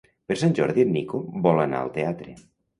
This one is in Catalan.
Per Sant Jordi en Nico vol anar al teatre.